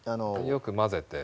よく混ぜて。